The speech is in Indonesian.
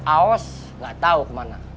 aos gak tau kemana